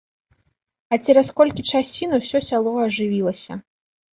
А цераз колькі часін усё сяло ажывілася.